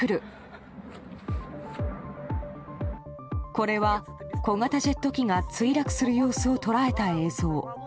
これは、小型ジェット機が墜落する様子を捉えた映像。